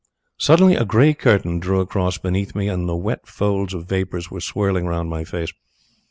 Suddenly a grey curtain drew across beneath me and the wet folds of vapours were swirling round my face.